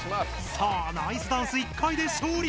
さあナイスダンス１回で勝利。